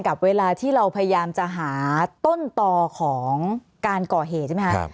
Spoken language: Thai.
กับเวลาที่เราพยายามจะหาต้นต่อของการก่อเหตุใช่ไหมครับ